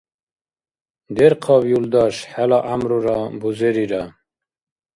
Дерхъаб, юлдаш, хӀела гӀямрура, бузерира!